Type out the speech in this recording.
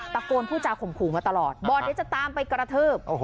ตะโกนผู้จาข่มขู่มาตลอดบอร์ดเนี้ยจะตามไปกระทืบ